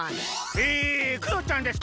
えクヨちゃんです。